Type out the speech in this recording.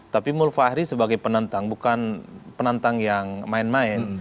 tapi mulfahri sebagai penantang bukan penantang yang main main